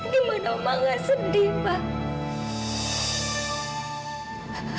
di mana mama nggak sedih pak